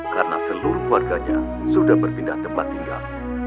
karena seluruh warganya sudah berpindah tempat tinggal